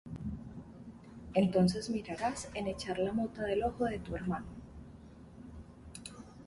Entonces mirarás en echar la mota del ojo de tu hermano.